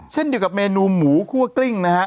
เช่นเดียวกับเมนูหมูคั่วกลิ้งนะฮะ